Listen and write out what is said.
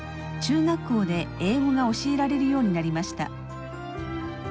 中学校で英語が教えられるようになりました。